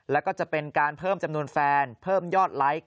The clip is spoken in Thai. แล้วก็จะเป็นการเพิ่มจำนวนแฟนเพิ่มยอดไลค์